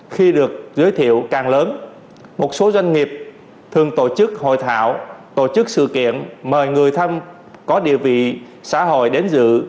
khi được giới thiệu càng lớn một số doanh nghiệp thường tổ chức hội thảo tổ chức sự kiện mời người thăm có địa vị xã hội đến dự